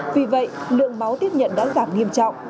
vì vậy lượng máu tiếp nhận đã giảm nghiêm trọng